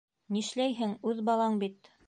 Нишләйһең, үҙ балаң бит.